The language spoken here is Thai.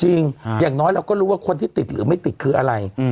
อย่างน้อยเราก็รู้ว่าคนที่ติดหรือไม่ติดคืออะไร